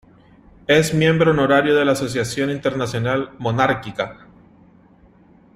Es miembro honorario de la Asociación Internacional Monárquica.